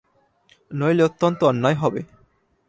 নইলে অত্যন্ত অন্যায় হবে।